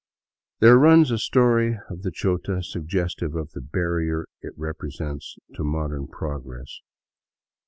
There runs a story of the Chota, suggestive of the barrier it presents to modem progress.